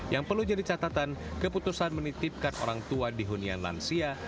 yang perlu jadi catatan keputusan menitipkan orang tua di hunian lansia